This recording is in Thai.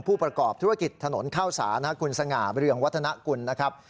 ผู้ประกอบธุรกิจถนนข้าวสารนะครับคุณสง่าเรืองวัฒนกุลนะครับ